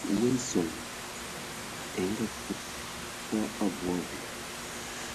Ve son e ngaakud foo abui abui.